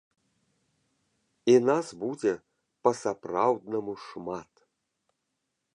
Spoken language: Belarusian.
І нас будзе па-сапраўднаму шмат!